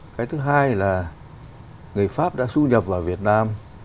cái thứ hai là người pháp đã du nhập vào việt nam